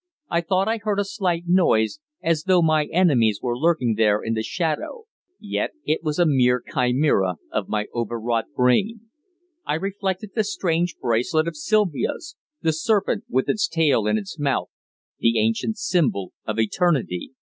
I thought I heard a slight noise, as though my enemies were lurking there in the shadow. Yet it was a mere chimera of my overwrought brain. I recollected the strange bracelet of Sylvia's the serpent with its tail in its mouth the ancient symbol of Eternity.